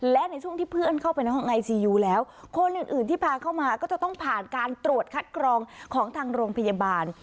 และในช่วงที่เพื่อนเข้าไปในห้องไอซียูแล้วคนอื่นอื่นที่พาเข้ามาก็จะต้องผ่านการตรวจคัดกรองของทางโรงพยาบาล